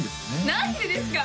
何でですか？